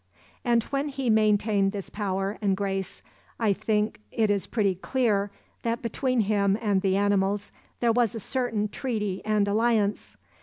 And when he maintained this power and grace, I think it is pretty clear that between him and the animals there was a certain treaty and alliance.